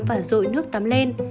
và dội nước tắm lên